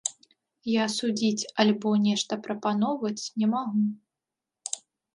Я судзіць альбо нешта прапаноўваць не магу.